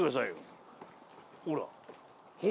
ほら。